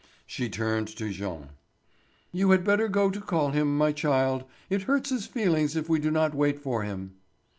She turned to Jean: "You had better go to call him, my child; it hurts his feelings if we do not wait for him."